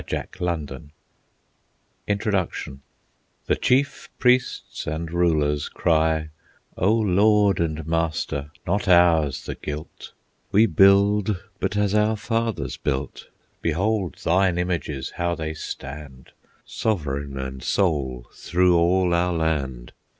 THE MANAGEMENT The chief priests and rulers cry:— "O Lord and Master, not ours the guilt, We build but as our fathers built; Behold thine images how they stand Sovereign and sole through all our land.